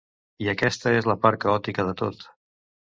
I aquesta és la part caòtica de tot.